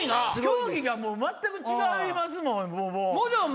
競技が全く違いますもん。